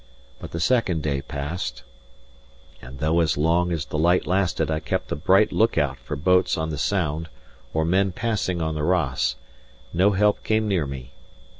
But the second day passed; and though as long as the light lasted I kept a bright look out for boats on the Sound or men passing on the Ross, no help came near me.